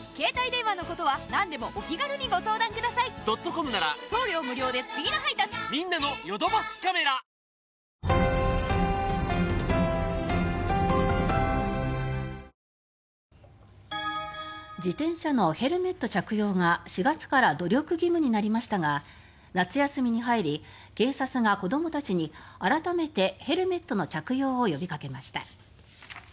これまで普通車の場合は一律で８００円でしたが自転車のヘルメット着用が４月から努力義務になりましたが夏休みに入り警察が子どもたちに改めてヘルメットの着用を呼びかけました。